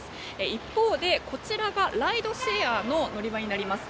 一方でこちらがライドシェアの乗り場になります。